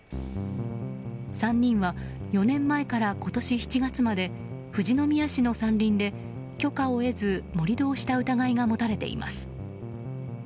３人は、４年前から今年７月まで富士宮市の山林で許可を得ず盛り土をした疑いが持たれています。